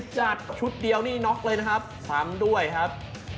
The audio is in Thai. จัดชุดเดียวนี่น็อกเลยนะครับซ้ำด้วยครับ